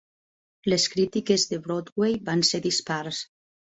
Les crítiques de Broadway van ser dispars.